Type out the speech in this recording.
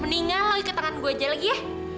mendingan lo ikut tangan gue aja lagi ya